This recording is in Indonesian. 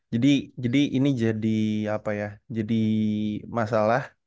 jadi jadi ini jadi apa ya jadi masalah